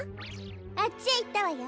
あっちへいったわよ。